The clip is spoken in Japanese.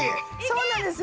そうなんですよ。